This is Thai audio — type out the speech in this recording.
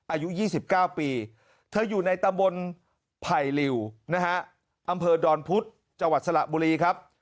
อายุ๒๙ปีเธออยู่ในตำบลไผ่ลิวนะฮะอำเภอดอนพุธจังหวัดสระบุรีครับ